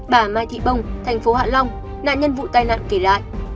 bà mai thị bông thành phố hạ long nạn nhân vụ tai nạn kể lại